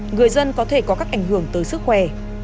người dân có thể có các ảnh hưởng tới sức khỏe